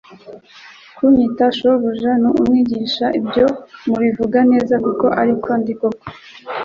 kunyita Shobuja n'Umwigisha, ibyo mubivuga neza, kuko ari ko ndi koko.